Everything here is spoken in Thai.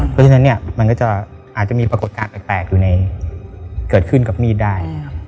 เพราะฉะนั้นเนี่ยมันก็จะอาจจะมีปรากฏการณ์แปลกอยู่เกิดขึ้นกับมีดได้